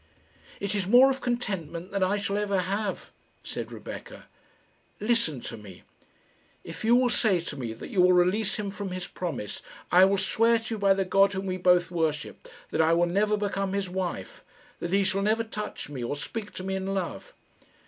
"It is more of contentment than I shall ever have," said Rebecca. "Listen to me. If you will say to me that you will release him from his promise, I will swear to you by the God whom we both worship, that I will never become his wife that he shall never touch me or speak to me in love."